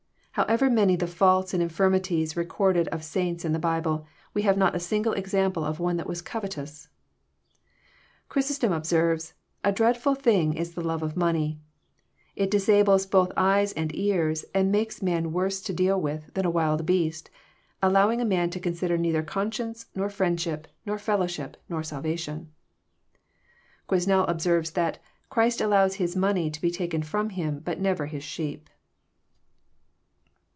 However many the faults and infirmities re corded of saints in the Bible, we have not a single example of one that was covetous. Chrysostom observes :" A dreadful thing is the love of money I It disables both eyes and ears, and makes man worse to deal with than a wild beast, allowing a man to consider neither conscience, nor friendship, nor fellowship, nor salva tion," Quesnel observes that *< Christ allows His money to be taken ftom Him, but never His sheep."